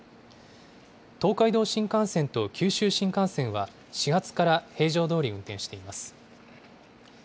東海道新幹線と九州新幹線は、始発から平常どおり運転しています。